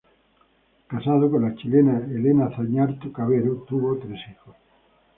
Casado con la chilena Elena Zañartu Cavero, tuvo tres hijos.